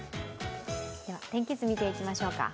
天気図、みていきましょうか。